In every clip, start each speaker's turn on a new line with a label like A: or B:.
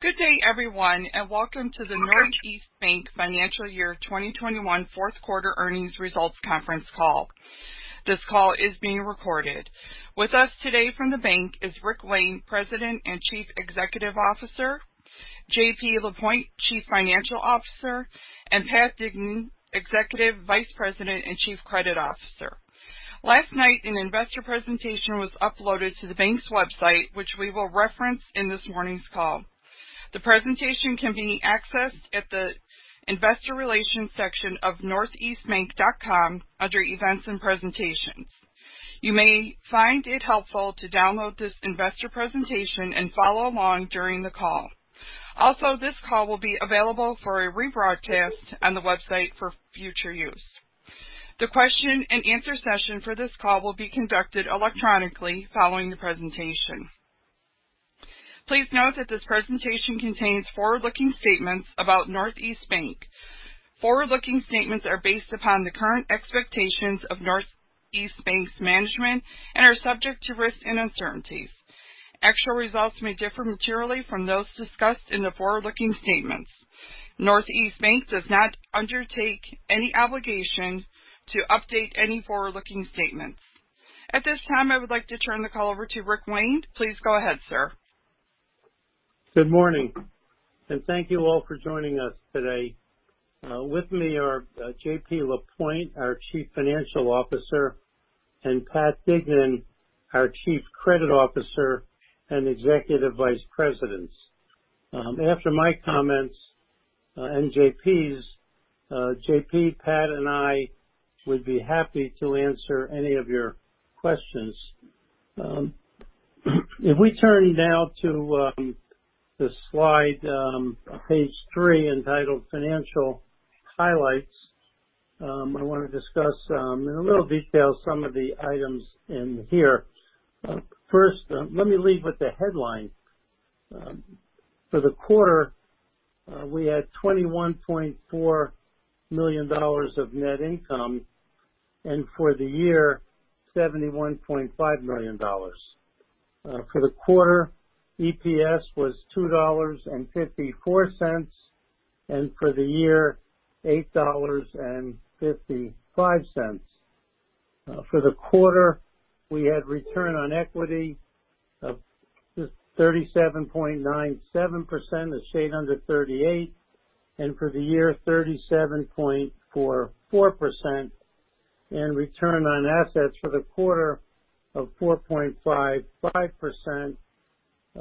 A: Good day, everyone, and welcome to the Northeast Bank Financial Year 2021 Q4 Earnings Results Conference Call. This call is being recorded. With us today from the bank is Rick Wayne, President and Chief Executive Officer, JP Lapointe, Chief Financial Officer, and Pat Dignan, Executive Vice President and Chief Credit Officer. Last night, an investor presentation was uploaded to the bank's website, which we will reference in this morning's call. The presentation can be accessed at the Investor Relations section of northeastbank.com under Events and Presentations. You may find it helpful to download this investor presentation and follow along during the call. This call will be available for a rebroadcast on the website for future use. The question and answer session for this call will be conducted electronically following the presentation. Please note that this presentation contains forward-looking statements about Northeast Bank. Forward-looking statements are based upon the current expectations of Northeast Bank's management and are subject to risks and uncertainties. Actual results may differ materially from those discussed in the forward-looking statements. Northeast Bank does not undertake any obligation to update any forward-looking statements. At this time, I would like to turn the call over to Rick Wayne. Please go ahead, sir.
B: Good morning, and thank you all for joining us today. With me are JP Lapointe, our Chief Financial Officer, and Pat Dignan, our Chief Credit Officer and Executive Vice President. After my comments and JP, Pat, and I would be happy to answer any of your questions. If we turn now to the slide, page 3, entitled Financial Highlights, I want to discuss in a little detail some of the items in here. First, let me lead with the headline. For the quarter, we had $21.4 million of net income, and for the year, $71.5 million. For the quarter, EPS was $2.54, and for the year, $8.55. For the quarter, we had return on equity of 37.97%, a shade under 38%, and for the year, 37.44%, and return on assets for the quarter of 4.55%,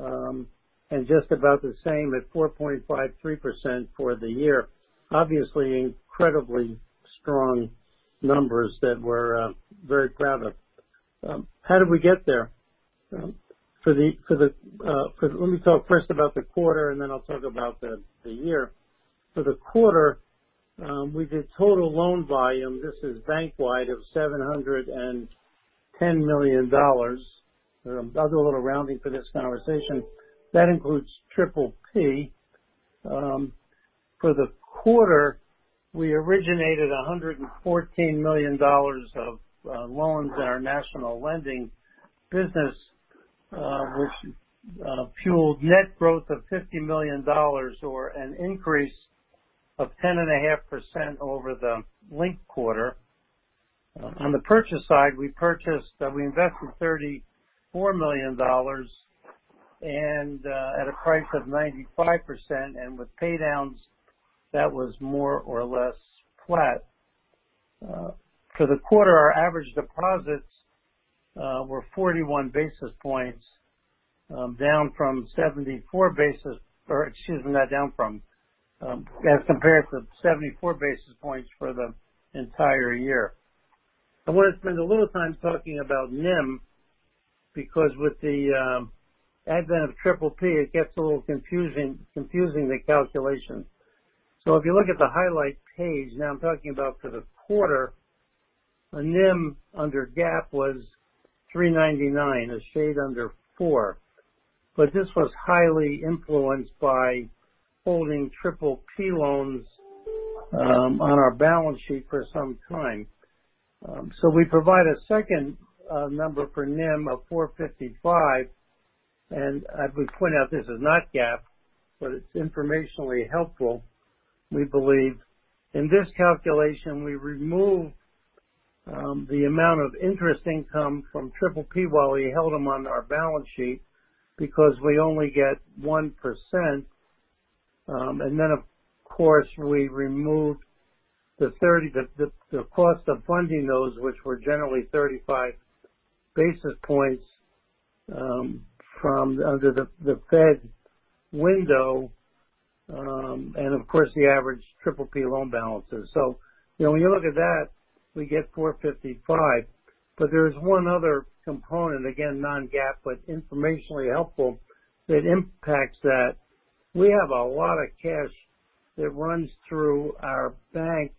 B: and just about the same at 4.53% for the year. Obviously, incredibly strong numbers that we're very proud of. How did we get there? Let me talk first about the quarter, and then I'll talk about the year. For the quarter, we did total loan volume, this is bank-wide, of $710 million. I'll do a little rounding for this conversation. That includes PPP. For the quarter, we originated $114 million of loans in our national lending business, which fueled net growth of $50 million or an increase of 10.5% over the linked quarter. On the purchase side, we invested $34 million and at a price of 95%, and with pay downs, that was more or less flat. For the quarter, our average deposits were 41 basis points, as compared to 74 basis points for the entire year. I want to spend a little time talking about NIM because with the advent of PPP, it gets a little confusing, the calculation. If you look at the highlight page, now I'm talking about for the quarter, NIM under GAAP was 399, a shade under 4. This was highly influenced by holding PPP loans on our balance sheet for some time. We provide a second number for NIM of 455, and I would point out this is not GAAP, but it's informationally helpful, we believe. In this calculation, we remove the amount of interest income from PPP while we held them on our balance sheet because we only get 1%. Then, of course, we removed the cost of funding those, which were generally 35 basis points under the Fed window, and of course, the average PPP loan balances. When you look at that, we get 455. There's one other component, again, non-GAAP, but informationally helpful that impacts that. We have a lot of cash that runs through our bank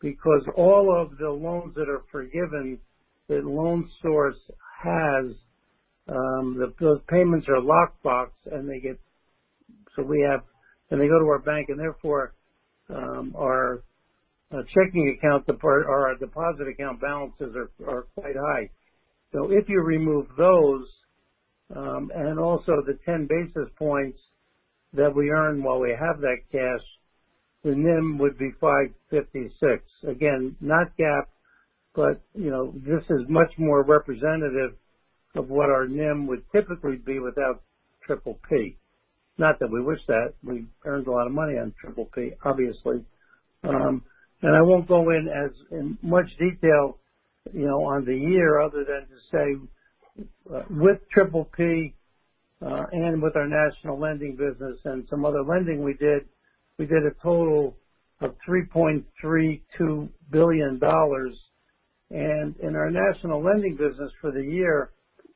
B: because all of the loans that are forgiven that The Loan Source has, those payments are lockbox, and they go to our bank, and therefore our checking account deposit or our deposit account balances are quite high. If you remove those, and also the 10 basis points that we earn while we have that cash, the NIM would be 556. Again, not GAAP, but this is much more representative of what our NIM would typically be without PPP. Not that we wish that. We earned a lot of money on PPP, obviously. I won't go in much detail on the year other than to say, with PPP, and with our national lending business and some other lending we did, we did a total of $3.32 billion. In our national lending business for the year,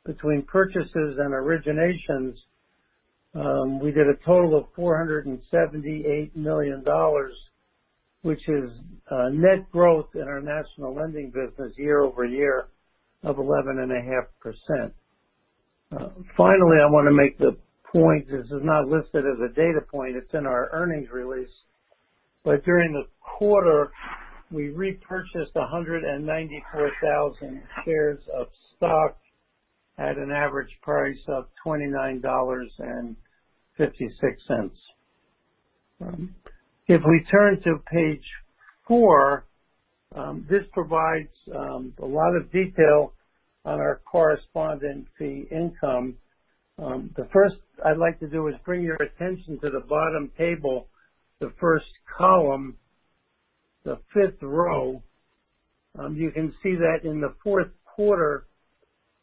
B: between purchases and originations, we did a total of $478 million, which is net growth in our national lending business year-over-year of 11.5%. Finally, I want to make the point, this is not listed as a data point, it's in our earnings release, but during the quarter, we repurchased 194,000 shares of stock at an average price of $29.56. If we turn to page 4, this provides a lot of detail on our correspondent fee income. The first I'd like to do is bring your attention to the bottom table, the first column, the fifth row. You can see that in the Q4,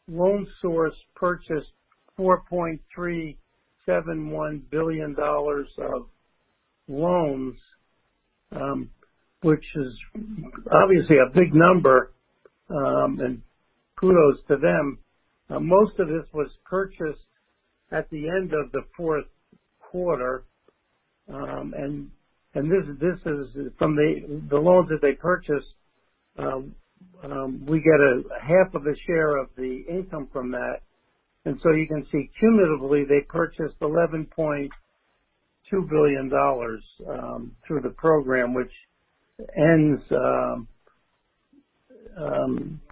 B: Loan Source purchased $4.371 billion of loans, which is obviously a big number, and kudos to them. Most of this was purchased at the end of the Q4. From the loans that they purchased, we get a half of a share of the income from that. You can see cumulatively, they purchased $11.2 billion through the program, which ends on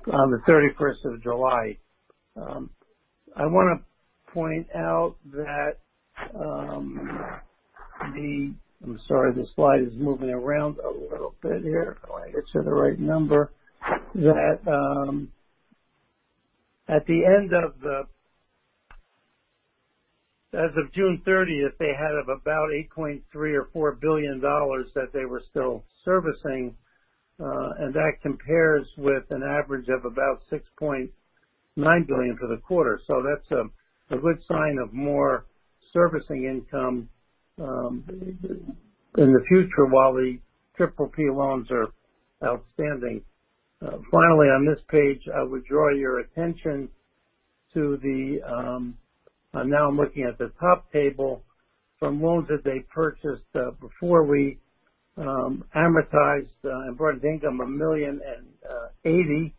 B: the 31st of July. I want to point out that I'm sorry, this slide is moving around a little bit here. I'd like to get to the right number. As of June 30th, they had about $8.3 billion or $8.4 billion that they were still servicing, and that compares with an average of about $6.9 billion for the quarter. That's a good sign of more servicing income in the future while the PPP loans are outstanding. Finally, on this page, I would draw your attention. Now I'm looking at the top table. From loans that they purchased before we amortized into income, $1,000,080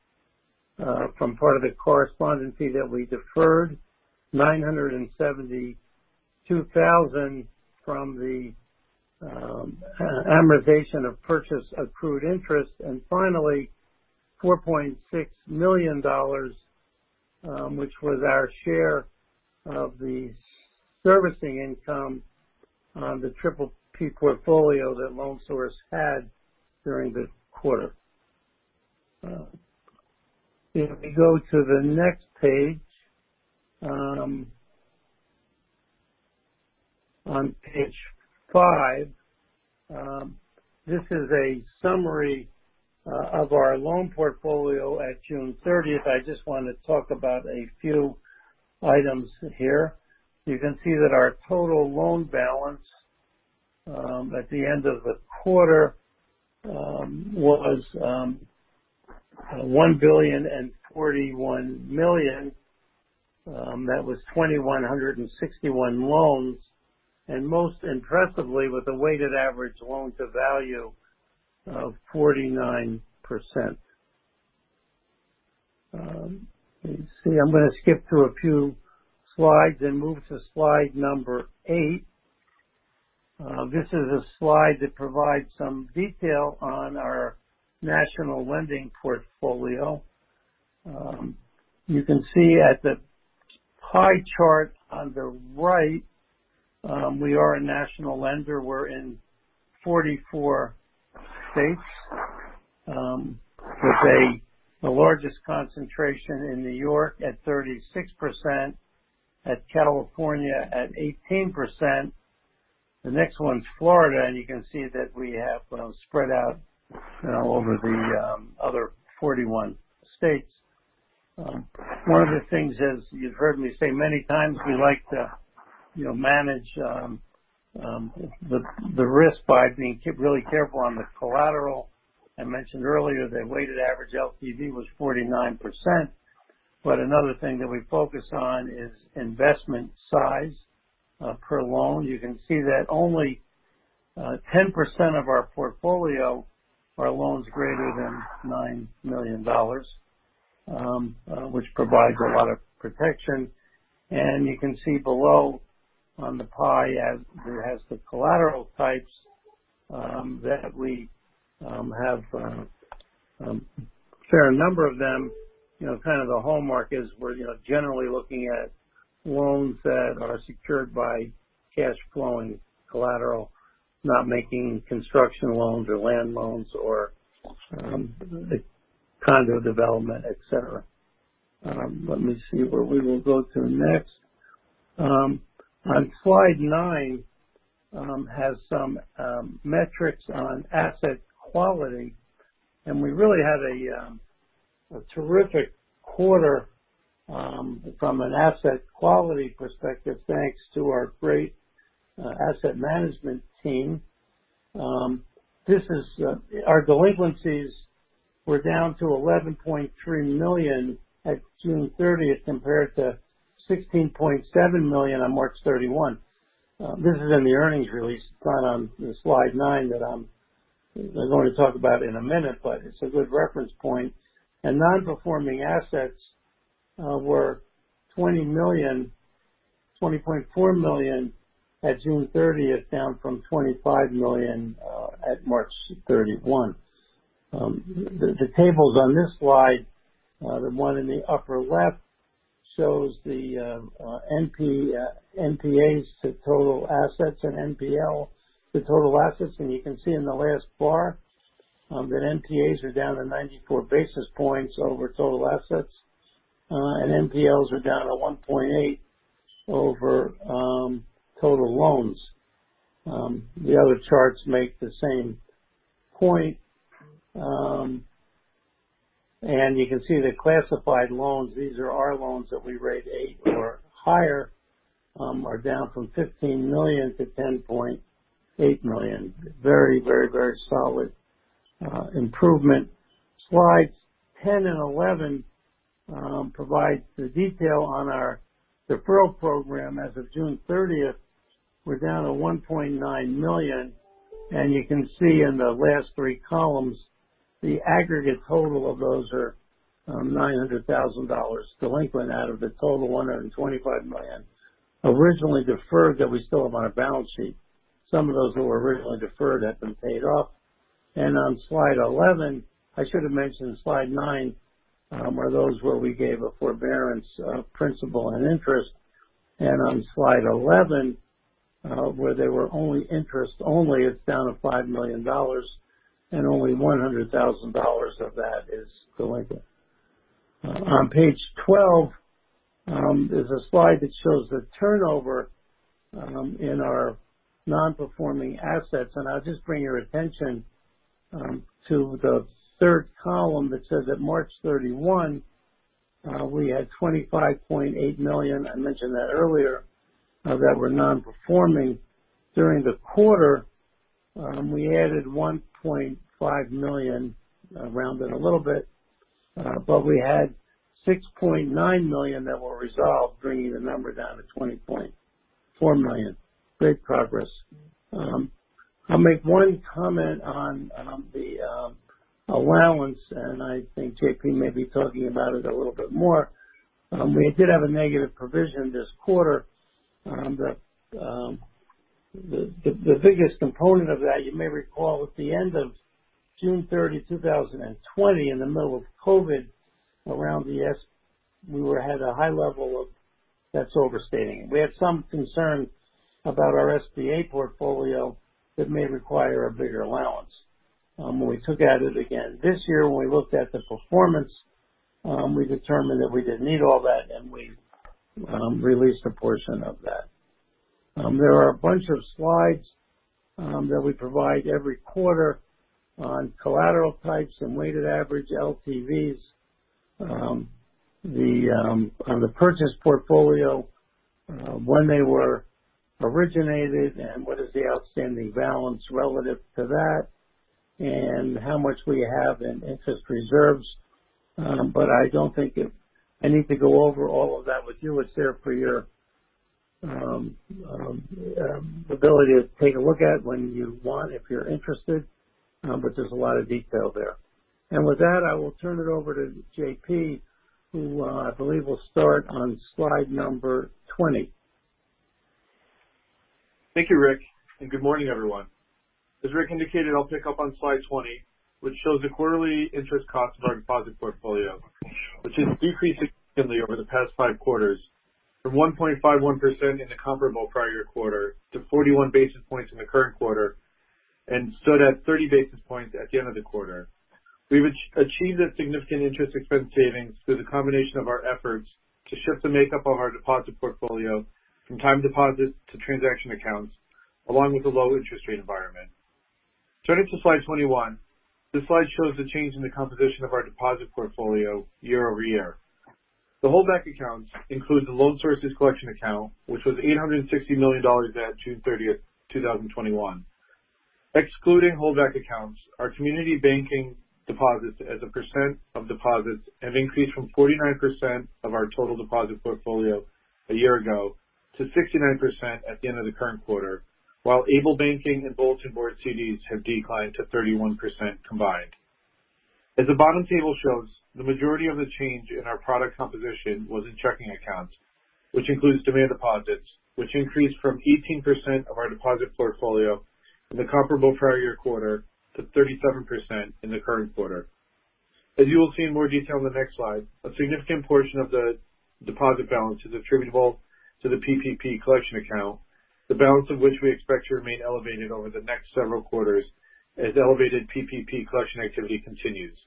B: from part of the correspondence fee that we deferred, $972,000 from the amortization of purchase accrued interest, and finally $4.6 million, which was our share of the servicing income on the PPP portfolio that Loan Source had during the quarter. If we go to the next page, on page 5, this is a summary of our loan portfolio at June 30th. I just want to talk about a few items here. You can see that our total loan balance at the end of the quarter was $1.041 billion. That was 2,161 loans, and most impressively, with a weighted average loan to value of 49%. Let's see. I'm going to skip through a few slides and move to slide number 8. This is a slide that provides some detail on our national lending portfolio. You can see at the pie chart on the right, we are a national lender. We're in 44 states, with the largest concentration in New York at 36%, at California at 18%. The next one's Florida. You can see that we have spread out all over the other 41 states. One of the things is, you've heard me say many times, we like to manage the risk by being really careful on the collateral. I mentioned earlier the weighted average LTV was 49%, but another thing that we focus on is investment size per loan. You can see that only 10% of our portfolio are loans greater than $9 million, which provides a lot of protection. You can see below on the pie as it has the collateral types that we have a fair number of them. Kind of the hallmark is we're generally looking at loans that are secured by cash flowing collateral, not making construction loans or land loans or condo development, et cetera. Let me see where we will go to next. On slide 9 has some metrics on asset quality. We really had a terrific quarter from an asset quality perspective, thanks to our great asset management team. Our delinquencies were down to $11.3 million at June 30th compared to $16.7 million on March 31. This is in the earnings release found on slide 9 that I'm going to talk about in a minute. It's a good reference point. Non-Performing Assets were $20.4 million at June 30th, down from $25 million at March 31. The tables on this slide, the one in the upper left, shows the NPAs to total assets and NPL to total assets, and you can see in the last bar that NPAs are down to 94 basis points over total assets. NPLs are down to 1.8 over total loans. The other charts make the same point. You can see the classified loans, these are our loans that we rate 8 or higher, are down from $15 million to $10.8 million. Very solid improvement. Slides 10 and 11 provide the detail on our deferral program. As of June 30th, we're down to $1.9 million, and you can see in the last three columns, the aggregate total of those are $900,000 delinquent out of the total $125 million originally deferred that we still have on our balance sheet. Some of those that were originally deferred have been paid off. On slide 11, I should have mentioned slide 9, are those where we gave a forbearance of principal and interest. On slide 11, where they were interest-only, it's down to $5 million, and only $100,000 of that is delinquent. On page 12, there's a slide that shows the turnover in our Non-Performing Assets. I'll just bring your attention to the third column that says that March 31, we had $25.8 million, I mentioned that earlier, that were non-performing. During the quarter, we added $1.5 million, rounded a little bit. We had $6.9 million that were resolved, bringing the number down to $20.4 million. Great progress. I'll make one comment on the allowance, and I think JP may be talking about it a little bit more. We did have a negative provision this quarter. The biggest component of that, you may recall, at the end of June 30, 2020, in the middle of COVID, around CECL. We had some concern about our SBA portfolio that may require a bigger allowance. We took at it again this year. When we looked at the performance, we determined that we didn't need all that, and we released a portion of that. There are a bunch of slides that we provide every quarter on collateral types and weighted average LTVs, on the purchase portfolio, when they were originated and what is the outstanding balance relative to that, and how much we have in interest reserves. I don't think I need to go over all of that with you. It's there for your ability to take a look at when you want if you're interested. There's a lot of detail there. With that, I will turn it over to JP, who I believe will start on slide 20.
C: Thank you, Rick, and good morning, everyone. As Rick indicated, I'll pick up on slide 20, which shows the quarterly interest cost of our deposit portfolio, which has decreased significantly over the past 5 quarters, from 1.51% in the comparable prior quarter to 41 basis points in the current quarter, and stood at 30 basis points at the end of the quarter. We've achieved a significant interest expense savings through the combination of our efforts to shift the makeup of our deposit portfolio from time deposits to transaction accounts, along with the low interest rate environment. Turning to slide 21. This slide shows the change in the composition of our deposit portfolio year-over-year. The holdback accounts include the Loan Source's collection account, which was $860 million at June 30th, 2021. Excluding holdback accounts, our community banking deposits as a percent of deposits have increased from 49% of our total deposit portfolio a year ago to 69% at the end of the current quarter, while ableBanking and bulletin board CDs have declined to 31% combined. As the bottom table shows, the majority of the change in our product composition was in checking accounts, which includes demand deposits, which increased from 18% of our deposit portfolio in the comparable prior year quarter to 37% in the current quarter. As you will see in more detail in the next slide, a significant portion of the deposit balance is attributable to the PPP collection account, the balance of which we expect to remain elevated over the next several quarters as elevated PPP collection activity continues.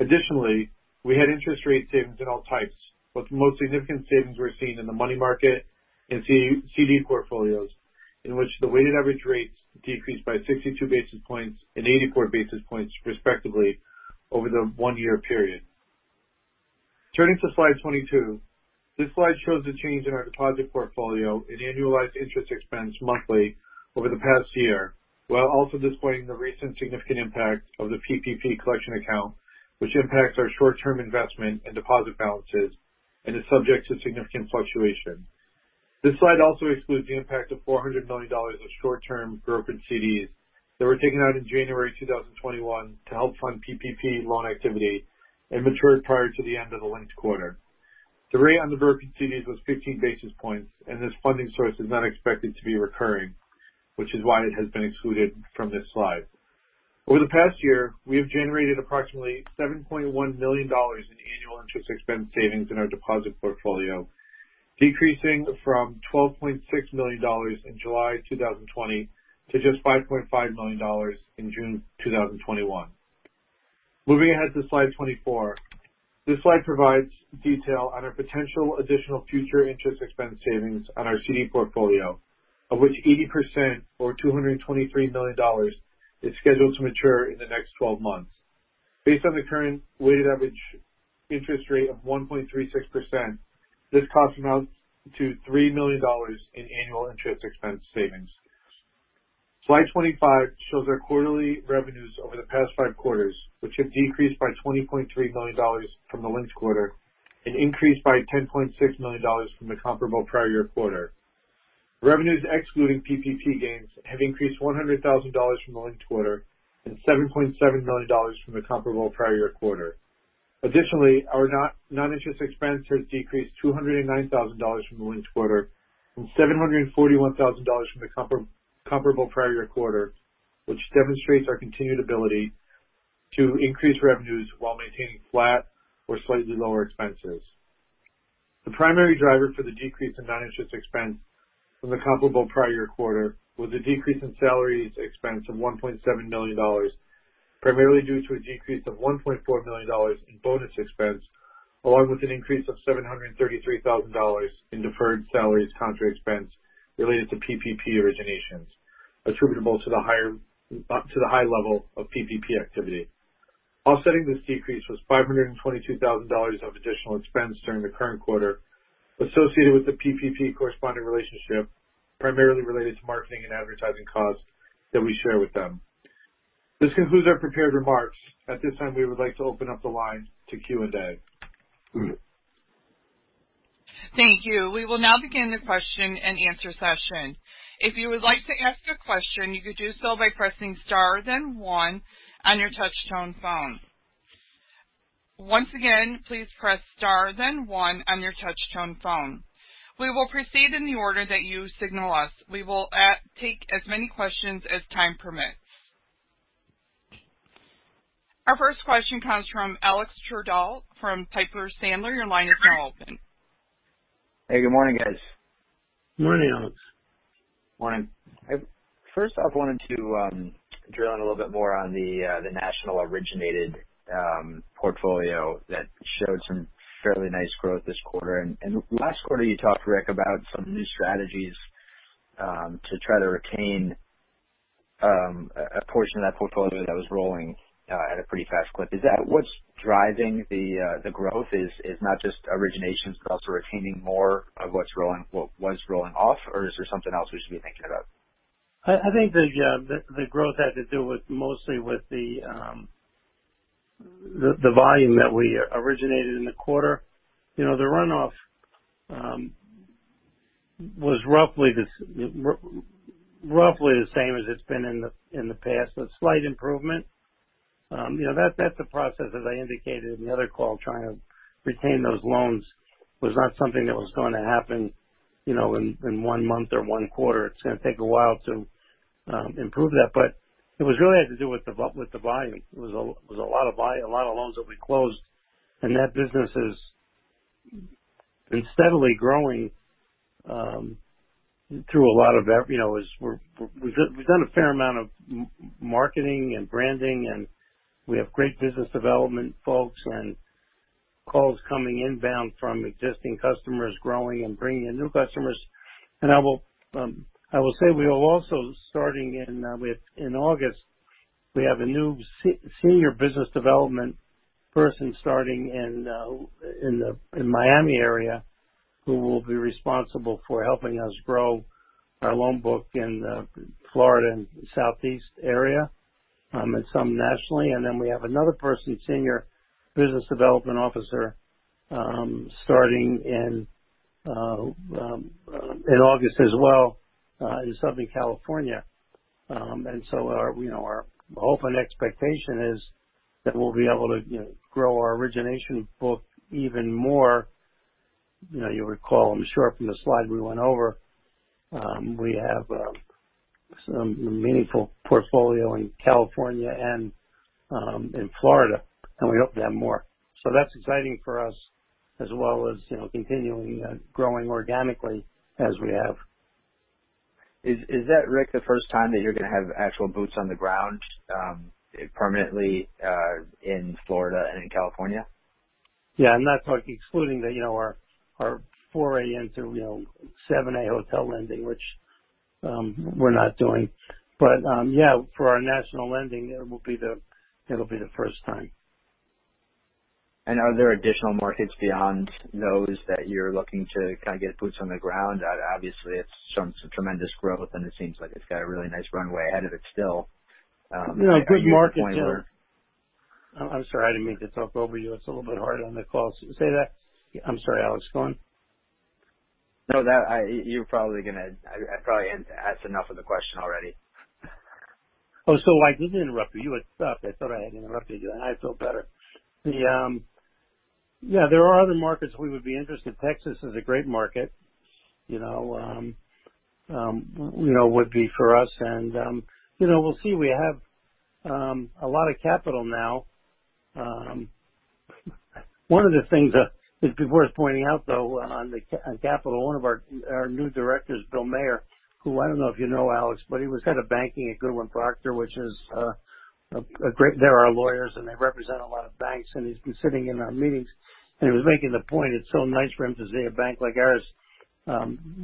C: Additionally, we had interest rate savings in all types, but the most significant savings were seen in the money market and CD portfolios, in which the weighted average rates decreased by 62 basis points and 84 basis points, respectively, over the one-year period. Turning to slide 22. This slide shows the change in our deposit portfolio in annualized interest expense monthly over the past year, while also displaying the recent significant impact of the PPP collection account, which impacts our short-term investment and deposit balances and is subject to significant fluctuation. This slide also excludes the impact of $400 million of short-term brokered CDs that were taken out in January 2021 to help fund PPP loan activity and matured prior to the end of the linked quarter. The rate on the brokered CDs was 15 basis points, and this funding source is not expected to be recurring, which is why it has been excluded from this slide. Over the past year, we have generated approximately $7.1 million in annual interest expense savings in our deposit portfolio, decreasing from $12.6 million in July 2020 to just $5.5 million in June 2021. Moving ahead to slide 24. This slide provides detail on our potential additional future interest expense savings on our CD portfolio, of which 80%, or $223 million, is scheduled to mature in the next 12 months. Based on the current weighted average interest rate of 1.36%, this cost amounts to $3 million in annual interest expense savings. Slide 25 shows our quarterly revenues over the past five quarters, which have decreased by $20.3 million from the linked-quarter and increased by $10.6 million from the comparable prior-year quarter. Revenues excluding PPP gains have increased $100,000 from the linked-quarter and $7.7 million from the comparable prior-year quarter. Additionally, our non-interest expense has decreased $209,000 from the linked-quarter and $741,000 from the comparable prior-year quarter, which demonstrates our continued ability to increase revenues while maintaining flat or slightly lower expenses. The primary driver for the decrease in non-interest expense from the comparable prior-year quarter was a decrease in salaries expense of $1.7 million, primarily due to a decrease of $1.4 million in bonus expense, along with an increase of $733,000 in deferred salaries contra expense related to PPP originations attributable to the high level of PPP activity. Offsetting this decrease was $522,000 of additional expense during the current quarter associated with the PPP correspondent relationship, primarily related to marketing and advertising costs that we share with them. This concludes our prepared remarks. At this time, we would like to open up the line to Q&A.
A: Thank you. We will now begin the question-and-answer session. If you would like to ask a question, you could do so by pressing *1 on your touch-tone phone. Once again, please press *1 on your touch-tone phone. We will proceed in the order that you signal us. We will take as many questions as time permits. Our first question comes from Alex Twerdahl from Piper Sandler. Your line is now open.
D: Hey, good morning, guys.
B: Morning, Alex.
D: Morning. I first off wanted to drill in a little bit more on the national originated portfolio that showed some fairly nice growth this quarter. Last quarter, you talked, Rick, about some new strategies to try to retain a portion of that portfolio that was rolling at a pretty fast clip. Is that what's driving the growth is not just originations, but also retaining more of what was rolling off? Or is there something else we should be thinking about?
B: I think the growth had to do with mostly with the volume that we originated in the quarter. The runoff was roughly the same as it's been in the past. A slight improvement. That's a process, as I indicated in the other call, trying to retain those loans was not something that was going to happen in one month or one quarter. It's going to take a while to improve that. It really had to do with the volume. It was a lot of loans that we closed, and that business has been steadily growing through a lot of effort. We've done a fair amount of marketing and branding, and we have great business development folks and calls coming inbound from existing customers growing and bringing in new customers. I will say we are also starting in August, we have a new senior business development person starting in the Miami area who will be responsible for helping us grow. Our loan book in the Florida and Southeast area, and some nationally, and then we have another person, senior business development officer, starting in August as well, in Southern California. Our hope and expectation is that we'll be able to grow our origination book even more. You'll recall, I'm sure from the slide we went over, we have some meaningful portfolio in California and in Florida, and we hope to have more. That's exciting for us as well as continuing growing organically as we have.
D: Is that, Rick, the first time that you're going to have actual boots on the ground permanently in Florida and in California?
B: Yeah. I'm not talking excluding our 504 into 7(a) hotel lending, which we're not doing. Yeah, for our national lending, it'll be the first time.
D: Are there additional markets beyond those that you're looking to get boots on the ground? Obviously, it's shown some tremendous growth, and it seems like it's got a really nice runway ahead of it still. Are you at a point where?
B: No, I'm sorry, I didn't mean to talk over you. It's a little bit hard on the call. Say that I'm sorry, Alex, go on.
D: No, I probably asked enough of the question already.
B: I didn't interrupt you. You had stopped. I thought I had interrupted you, then I'd feel better. There are other markets we would be interested. Texas is a great market, would be for us. We'll see. We have a lot of capital now. One of the things that is worth pointing out, though, on capital, one of our new directors, William Mayer, who I don't know if you know, Alex, but he was Head of Banking at Goodwin Procter. They're our lawyers, and they represent a lot of banks, and he's been sitting in our meetings, and he was making the point, it's so nice for him to see a bank like ours,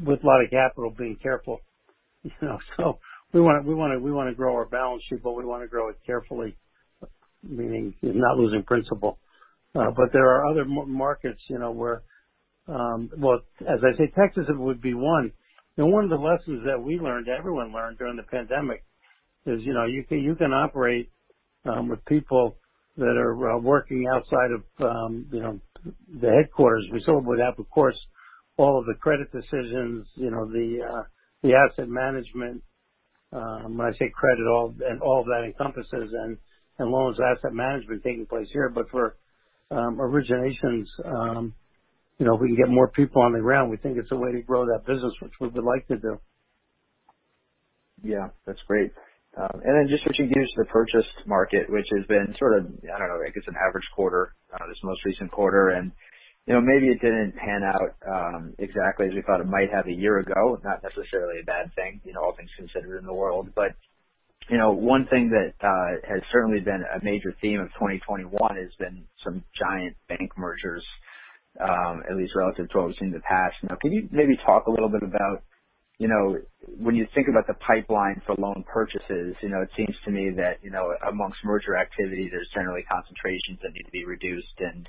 B: with a lot of capital being careful. We want to grow our balance sheet, but we want to grow it carefully, meaning not losing principal. There are other markets, where, well, as I say, Texas would be one. One of the lessons that we learned, everyone learned during the pandemic is, you can operate with people that are working outside of the headquarters. We still would have, of course, all of the credit decisions, the asset management. When I say credit, all that encompasses and loans asset management taking place here. For originations, if we can get more people on the ground, we think it's a way to grow that business, which we would like to do.
D: Yeah. That's great. Then just switching gears to the purchase market, which has been sort of, I don't know, I guess an average quarter, this most recent quarter, and maybe it didn't pan out exactly as we thought it might have a year ago. Not necessarily a bad thing, all things considered in the world. One thing that has certainly been a major theme of 2021 has been some giant bank mergers, at least relative to what we've seen in the past. Can you maybe talk a little bit about when you think about the pipeline for loan purchases, it seems to me that amongst merger activity, there's generally concentrations that need to be reduced and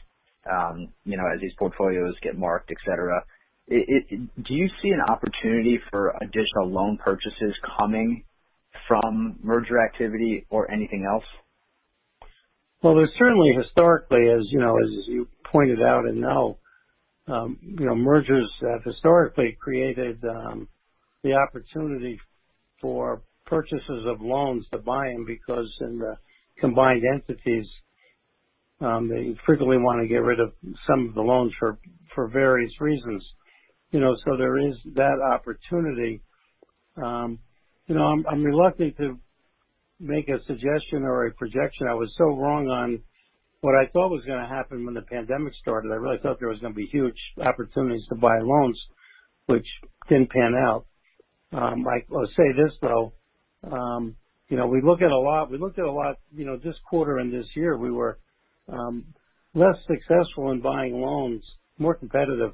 D: as these portfolios get marked, et cetera? Do you see an opportunity for additional loan purchases coming from merger activity or anything else?
B: Well, there's certainly historically, as you pointed out and know, mergers have historically created the opportunity for purchases of loans to buy them because in the combined entities, they frequently want to get rid of some of the loans for various reasons. There is that opportunity. I'm reluctant to make a suggestion or a projection. I was so wrong on what I thought was going to happen when the pandemic started. I really thought there was going to be huge opportunities to buy loans, which didn't pan out. I'll say this, though. We looked at a lot this quarter and this year. We were less successful in buying loans, more competitive,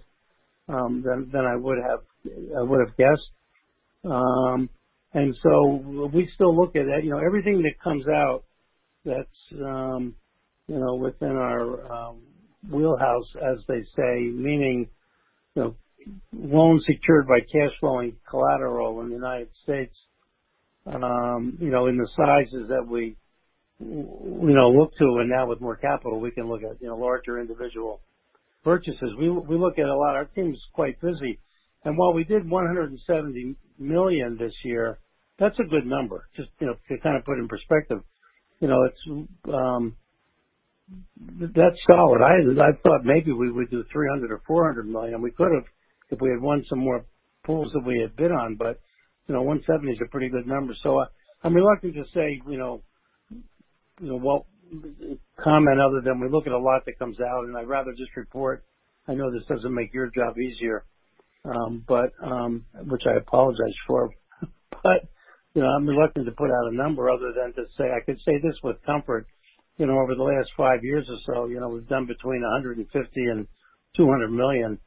B: than I would have guessed. We still look at it. Everything that comes out that's within our wheelhouse, as they say, meaning loans secured by cash flowing collateral in the United States, in the sizes that we look to, and now with more capital, we can look at larger individual purchases. We look at a lot. Our team's quite busy. While we did $170 million this year, that's a good number. Just to kind of put it in perspective. That's solid. I thought maybe we would do $300 million or $400 million. We could have if we had won some more pools that we had bid on, but 170 is a pretty good number. I'm reluctant to say, well, comment other than we look at a lot that comes out, and I'd rather just report. I know this doesn't make your job easier, which I apologize for, but I'm reluctant to put out a number other than to say I could say this with comfort. Over the last five years or so, we've done between $150 million and $200 million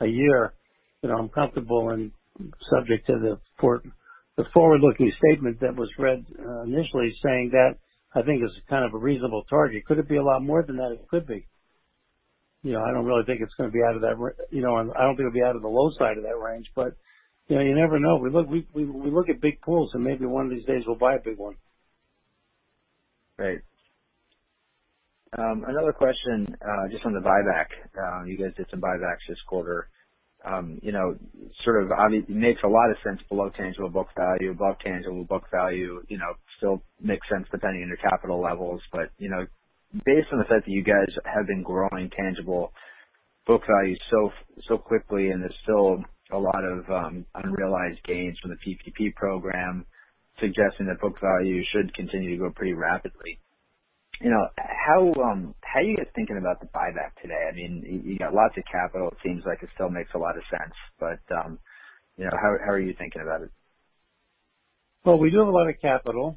B: a year. I'm comfortable and subject to the forward-looking statement that was read initially saying that I think is kind of a reasonable target. Could it be a lot more than that? It could be. I don't think it'll be out of the low side of that range, but you never know. We look at big pools, and maybe one of these days we'll buy a big one.
D: Great. Another question, just on the buyback. You guys did some buybacks this quarter. It makes a lot of sense below tangible book value. Above tangible book value, still makes sense depending on your capital levels. Based on the fact that you guys have been growing tangible book value so quickly, and there's still a lot of unrealized gains from the PPP program suggesting that book value should continue to grow pretty rapidly, how are you guys thinking about the buyback today? You got lots of capital. It seems like it still makes a lot of sense, but how are you thinking about it?
B: Well, we do have a lot of capital.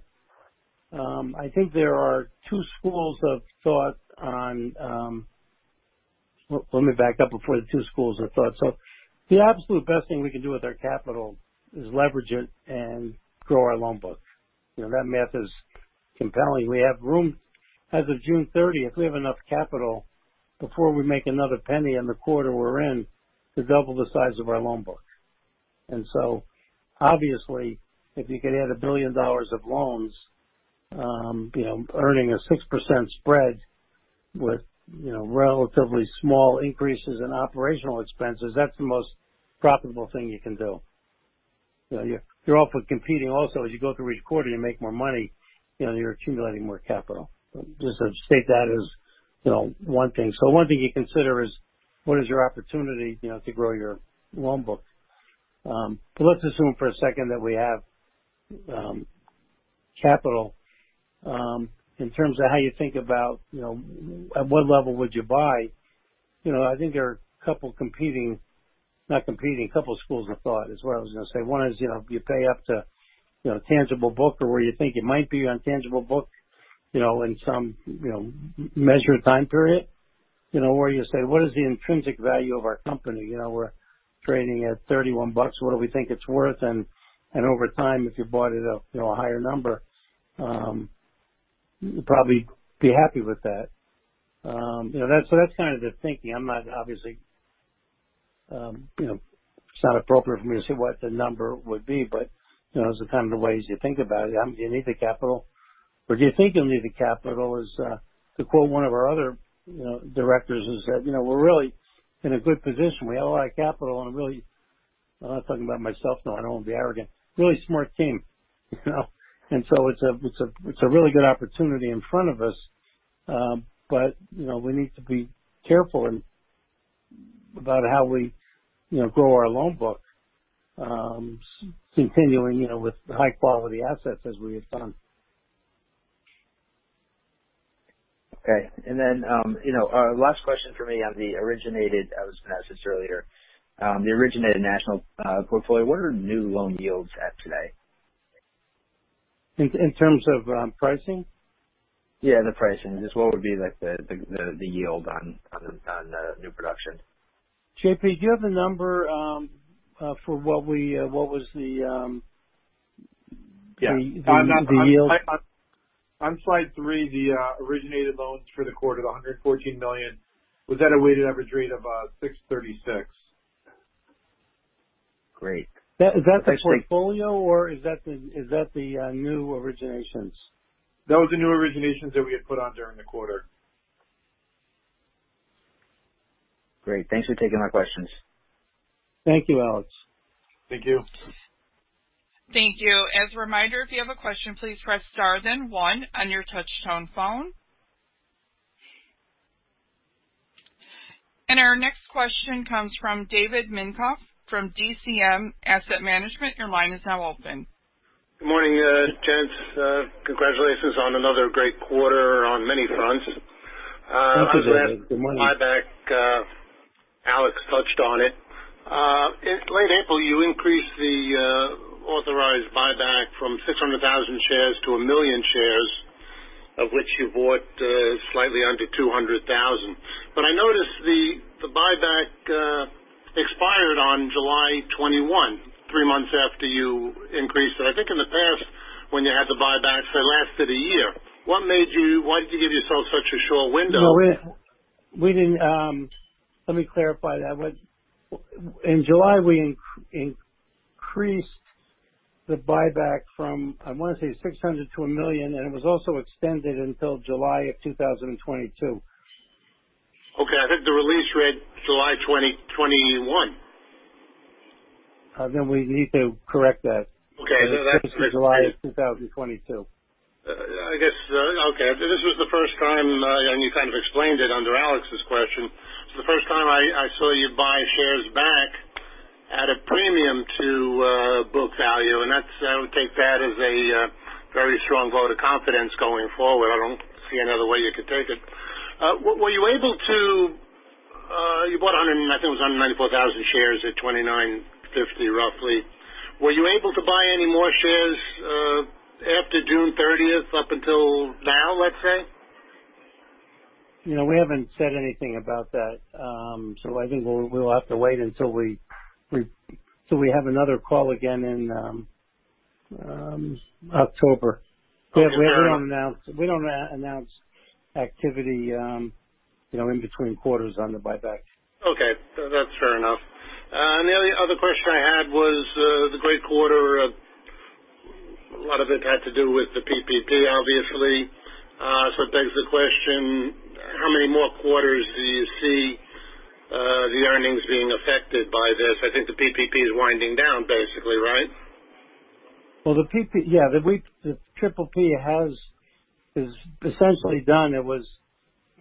B: I think there are two schools of thought on Well, let me back up before the two schools of thought. The absolute best thing we can do with our capital is leverage it and grow our loan book. That math is compelling. We have room as of June 30th. We have enough capital before we make another penny in the quarter we're in to double the size of our loan book. Obviously, if you could add $1 billion of loans, earning a 6% spread with relatively small increases in operational expenses, that's the most profitable thing you can do. You're also competing, as you go through each quarter, you make more money, you're accumulating more capital. Just to state that as one thing. One thing you consider is what is your opportunity to grow your loan book? Let's assume for a second that we have capital, in terms of how you think about at what level would you buy, I think there are a couple of schools of thought is what I was going to say. One is, you pay up to tangible book or where you think it might be on tangible book, in some measured time period. Where you say, what is the intrinsic value of our company? We're trading at $31. What do we think it's worth? Over time, if you bought at a higher number, you'd probably be happy with that. That's kind of the thinking. Obviously, it's not appropriate for me to say what the number would be, but those are kind of the ways you think about it. Do you need the capital or do you think you'll need the capital? To quote one of our other directors is that, we're really in a good position. We have a lot of capital and a really, I'm not talking about myself now, I don't want to be arrogant, really smart team. It's a really good opportunity in front of us. We need to be careful about how we grow our loan book, continuing with high-quality assets as we have done.
D: Okay. Last question from me on the originated, I was going to ask this earlier, the originated national portfolio. What are new loan yields at today?
B: In terms of pricing?
D: Yeah, the pricing. Just what would be the yield on new production?
B: JP, do you have the number for what was the yield?
C: On slide 3, the originated loans for the quarter, the $114 million, was at a weighted average rate of about 6.36%.
D: Great.
B: Is that the portfolio or is that the new originations?
C: That was the new originations that we had put on during the quarter.
D: Great. Thanks for taking my questions.
B: Thank you, Alex.
D: Thank you.
A: Thank you. As a reminder, if you have a question, please press *1 on your touch-tone phone. Our next question comes from David Minkoff from DCM Asset Management. Your line is now open.
E: Good morning, gents. Congratulations on another great quarter on many fronts.
B: Thank you, David. Good morning.
E: I was going to ask buyback. Alex touched on it. In late April, you increased the authorized buyback from 600,000 shares to 1 million shares, of which you bought slightly under 200,000. I noticed the buyback expired on July 21, three months after you increased it. I think in the past, when you had the buybacks, they lasted a year. Why did you give yourself such a short window?
B: Let me clarify that. In July, we increased the buyback from, I want to say 600,000 to 1 million, and it was also extended until July of 2022.
E: Okay. I think the release read July 2021.
B: We need to correct that.
E: Okay.
B: It's July of 2022.
E: This was the first time, and you kind of explained it under Alex's question. This is the first time I saw you buy shares back at a premium to book value, and I would take that as a very strong vote of confidence going forward. I don't see another way you could take it. You bought, I think it was 194,000 shares at $29.50, roughly. Were you able to buy any more shares after June 30th up until now, let's say?
B: We haven't said anything about that. I think we'll have to wait until we have another call again in October. We don't announce activity in between quarters on the buyback.
E: Okay. That's fair enough. The only other question I had was, the great quarter, a lot of it had to do with the PPP, obviously. It begs the question, how many more quarters do you see the earnings being affected by this? I think the PPP is winding down basically, right?
B: Well, the PPP is essentially done. It was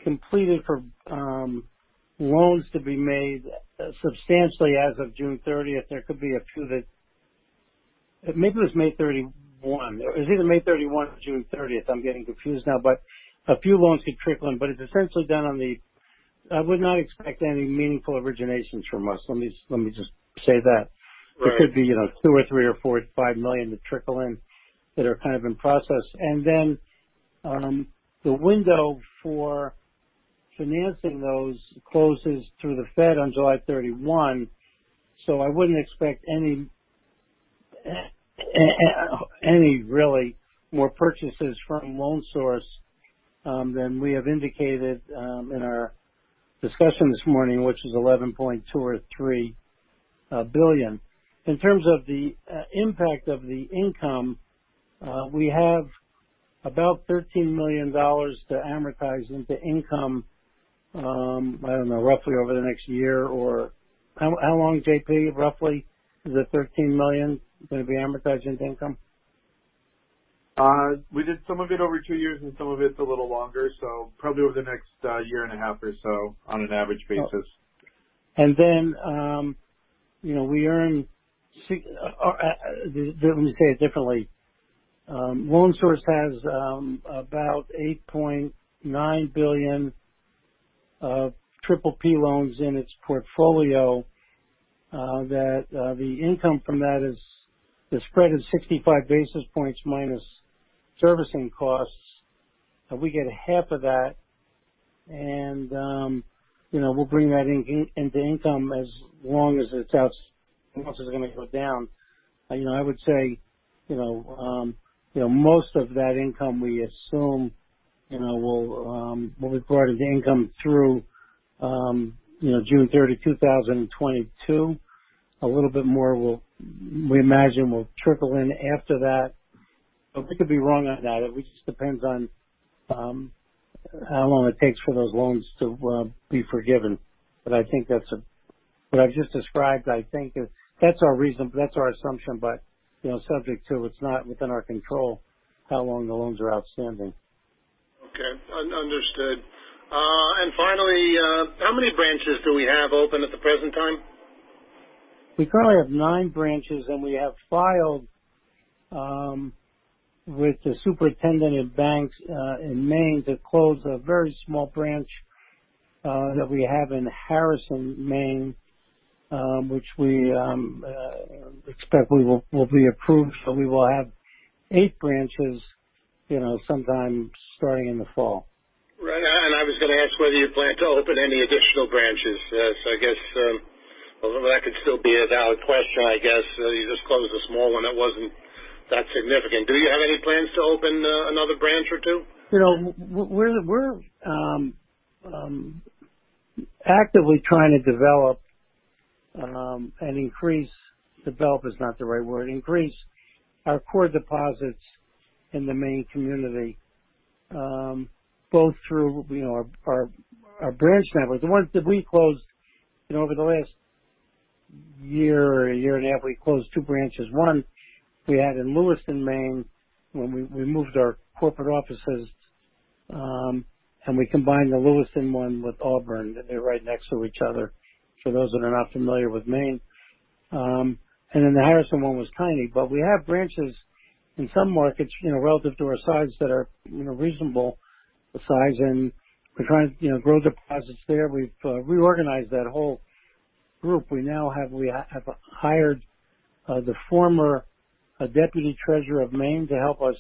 B: completed for loans to be made substantially as of June 30th. There could be a few that Maybe it was May 31st. It was either May 31st or June 30th. I'm getting confused now. A few loans could trickle in, but it's essentially done. I would not expect any meaningful originations from us. Let me just say that.
E: Right.
B: There could be $2 million or $3 million or $4 million-$5 million that trickle in that are kind of in process. Then, the window for financing those closes through the Fed on July 31st. I wouldn't expect any really more purchases from The Loan Source than we have indicated in our discussion this morning, which is $11.2 billion or $3 billion. In terms of the impact of the income, we have about $13 million to amortize into income, I don't know, roughly over the next year, or how long, JP, roughly, is the $13 million going to be amortized into income?
C: We did some of it over two years, and some of it's a little longer, so probably over the next year and a half or so on an average basis.
B: Let me say it differently. Loan Source has about $8.9 billion PPP loans in its portfolio, that the income from that is the spread of 65 basis points minus servicing costs, and we get half of that. We'll bring that into income as long as its assets are going to go down. I would say, most of that income, we assume, will be brought as income through June 30, 2022. A little bit more, we imagine, will trickle in after that. We could be wrong on that. It just depends on how long it takes for those loans to be forgiven. I think that's what I've just described, I think, that's our assumption. Subject to, it's not within our control how long the loans are outstanding.
E: Okay, understood. Finally, how many branches do we have open at the present time?
B: We currently have nine branches, and we have filed with the Superintendent of the Bureau of Financial Institutions in Maine to close a very small branch that we have in Harrison, Maine, which we expect will be approved. We will have eight branches sometime starting in the fall.
E: Right. I was going to ask whether you plan to open any additional branches. I guess that could still be a valid question, I guess. You just closed a small one that wasn't that significant. Do you have any plans to open another branch or two?
B: We're actively trying to increase our core deposits in the Maine community, both through our branch network. The ones that we closed over the last year or a year and a half, we closed two branches. One we had in Lewiston, Maine, when we moved our corporate offices, we combined the Lewiston one with Auburn. They're right next to each other, for those that are not familiar with Maine. The Harrison one was tiny. We have branches in some markets, relative to our size, that are reasonable size, and we're trying to grow deposits there. We've reorganized that whole group. We have hired the former Deputy Treasurer of Maine to help us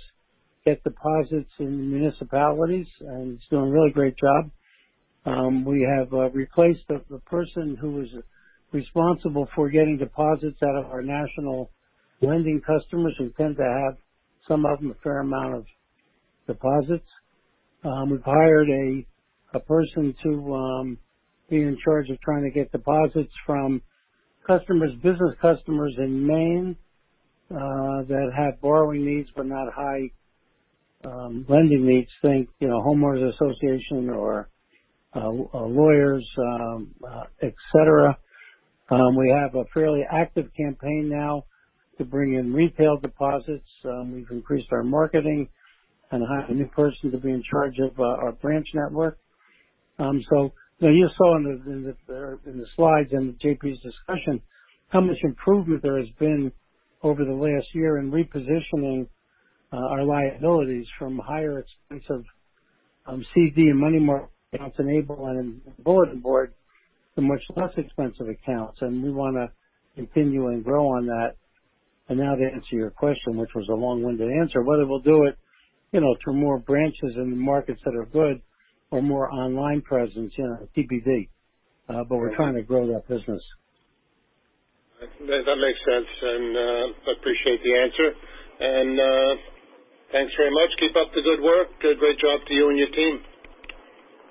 B: get deposits in municipalities, and he's doing a really great job. We have replaced the person who was responsible for getting deposits out of our national lending customers, who tend to have, some of them, a fair amount of deposits. We've hired a person to be in charge of trying to get deposits from business customers in Maine that have borrowing needs but not high lending needs. Think homeowners association or lawyers, et cetera. We have a fairly active campaign now to bring in retail deposits. We've increased our marketing and hired a new person to be in charge of our branch network. You saw in the slides in JP's discussion how much improvement there has been over the last year in repositioning our liabilities from higher expense of CD and money market accounts, and ableBanking and bulletin board, to much less expensive accounts, and we want to continue and grow on that. Now to answer your question, which was a long-winded answer, whether we'll do it through more branches in the markets that are good or more online presence, TBD. We're trying to grow that business.
E: That makes sense, and I appreciate the answer. Thanks very much. Keep up the good work. Great job to you and your team.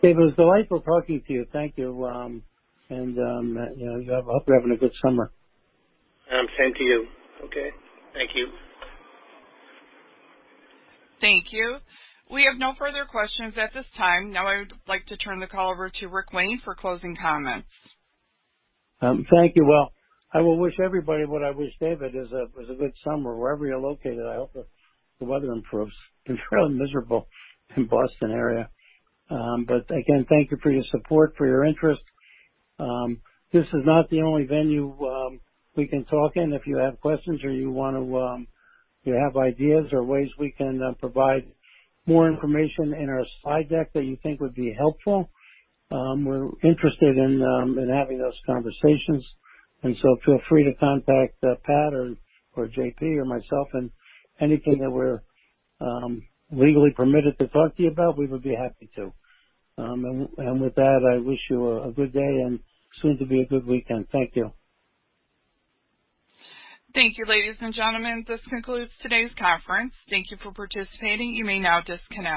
B: David, it was delightful talking to you. Thank you. I hope you're having a good summer.
E: Same to you. Okay. Thank you.
A: Thank you. We have no further questions at this time. Now I would like to turn the call over to Rick Wayne for closing comments.
B: Thank you. Well, I will wish everybody what I wished David, is a good summer. Wherever you're located, I hope the weather improves. It's really miserable in Boston area. Again, thank you for your support, for your interest. This is not the only venue we can talk in. If you have questions or you have ideas or ways we can provide more information in our slide deck that you think would be helpful, we're interested in having those conversations. So feel free to contact Pat or JP or myself, and anything that we're legally permitted to talk to you about, we would be happy to. With that, I wish you a good day and soon to be a good weekend. Thank you.
A: Thank you, ladies and gentlemen. This concludes today's conference. Thank you for participating. You may now disconnect.